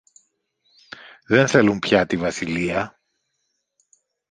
Δε θέλουν πια τη βασιλεία.